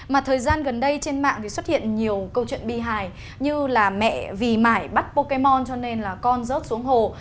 mà thời gian gần đây trên mạng thì xuất hiện nhiều câu chuyện bi hài như là mẹ vì mải bắt bokemon cho nên là con rớt xuống hồ